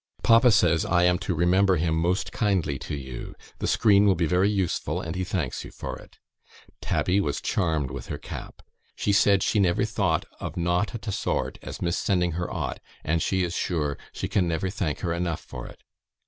Papa says I am to remember him most kindly to you. The screen will be very useful, and he thanks you for it. Tabby was charmed with her cap. She said, 'she never thought o' naught o' t' sort as Miss sending her aught, and, she is sure, she can never thank her enough for it.'